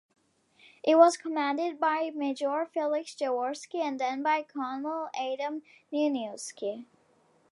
It was commanded by major Feliks Jaworski and then by colonel Adam Nieniewski.